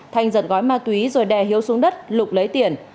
thanh giật gói ma túy rồi đè hiếu xuống đất lục lấy tiền